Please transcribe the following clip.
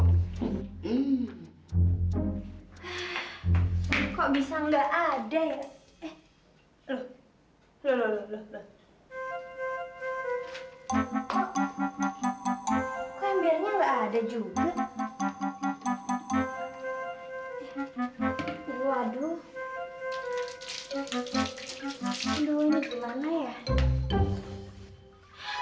kok bisa enggak ada ya